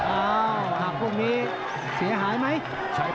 อ้าวหักพวกนี้เสียหายไหม